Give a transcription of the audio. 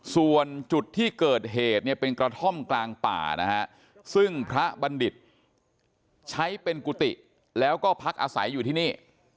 ส่วนจุดที่เกิดเหตุเนี่ยเป็นกระท่อมกลางป่านะฮะซึ่งพระบัณฑิตใช้เป็นกุฏิแล้วก็พักอาศัยอยู่ที่นี่